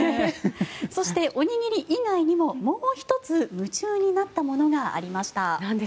そして、おにぎり以外にももう１つ夢中になったものがありました。